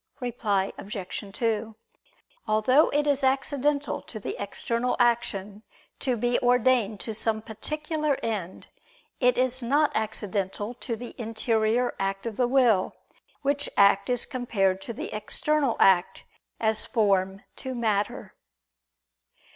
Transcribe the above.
Reply Obj. 2: Although it is accidental to the external action to be ordained to some particular end, it is not accidental to the interior act of the will, which act is compared to the external act, as form to matter.